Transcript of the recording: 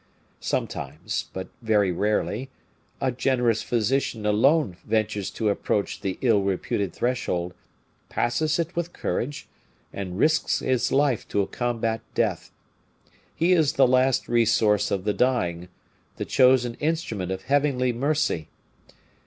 Sometimes, but very rarely, a generous physician alone ventures to approach the ill reputed threshold, passes it with courage, and risks his life to combat death. He is the last resource of the dying, the chosen instrument of heavenly mercy.